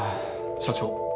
社長。